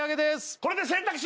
これで選択肢